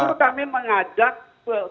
maksud kami mengajak gerindrapa